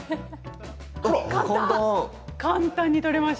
簡単に取れました。